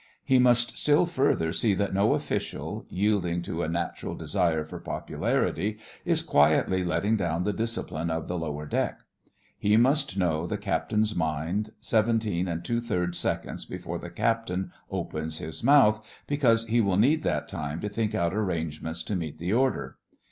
He must still further see that no official, yielding to a natural desire for popularity, is quietly letting down the discipline of the lower deck. He must know the Captain's mind seventeen and two thirds seconds before the Captain opens his mouth, because he will need that time to think out arrangements to meet the order.